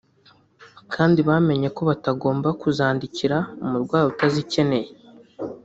kandi bamenye ko batagomba kuzandikira umurwayi utazikeneye